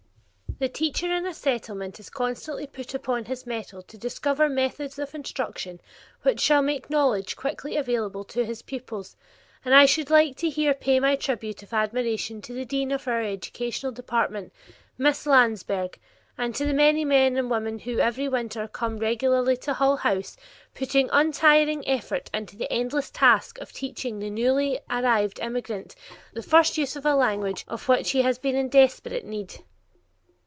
The teacher in a Settlement is constantly put upon his mettle to discover methods of instruction which shall make knowledge quickly available to his pupils, and I should like here to pay my tribute of admiration to the dean of our educational department, Miss Landsberg, and to the many men and women who every winter come regularly to Hull House, putting untiring energy into the endless task of teaching the newly arrived immigrant the first use of a language of which he has such desperate need.